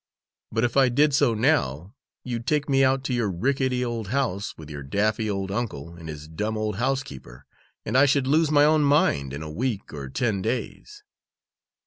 But if I did so now, you'd take me out to your rickety old house, with your daffy old uncle and his dumb old housekeeper, and I should lose my own mind in a week or ten days.